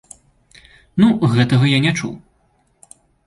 Ну, я гэтага не чуў.